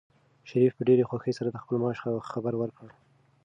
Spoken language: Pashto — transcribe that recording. شریف په ډېرې خوښۍ سره د خپل معاش خبر ورکړ.